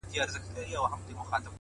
زه به دي تل په ياد کي وساتمه،